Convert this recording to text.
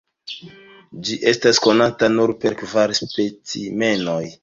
Ĝi estas konata nur per kvar specimenoj.